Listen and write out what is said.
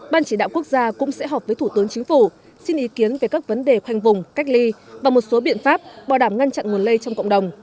ban chỉ đạo quốc gia cũng sẽ họp với thủ tướng chính phủ xin ý kiến về các vấn đề khoanh vùng cách ly và một số biện pháp bảo đảm ngăn chặn nguồn lây trong cộng đồng